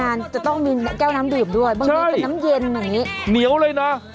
อ่าเช็ดปุ่นเออเสื้อเออปุ่น